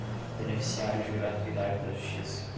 beneficiário de gratuidade da justiça